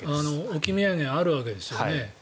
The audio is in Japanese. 置き土産があるわけですよね。